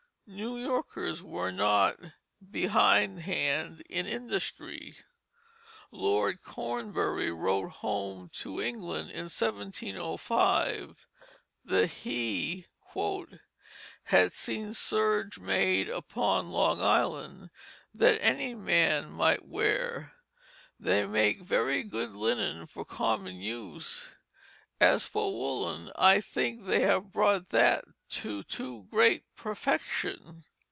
New Yorkers were not behindhand in industry. Lord Cornbury wrote home to England, in 1705, that he "had seen serge made upon Long Island that any man might wear; they make very good linen for common use; as for Woollen I think they have brought that to too great perfection."